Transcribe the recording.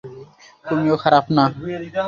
তুমিও খারাপ না।